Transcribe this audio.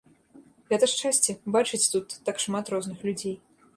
Гэта шчасце бачыць тут так шмат розных людзей.